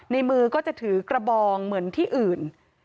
มือก็จะถือกระบองเหมือนที่อื่น